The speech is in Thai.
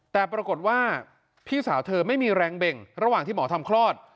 แต่ปรากฏว่าพี่สาวเธอไม่มีแรงเบ่งระหว่างที่หมอทำคลอด